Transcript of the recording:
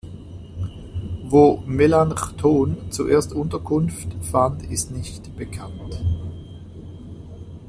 Wo Melanchthon zuerst Unterkunft fand ist nicht bekannt.